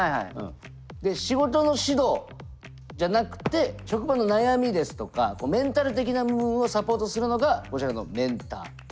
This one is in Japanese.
で仕事の指導じゃなくて職場の悩みですとかメンタル的な部分をサポートするのがこちらのメンター。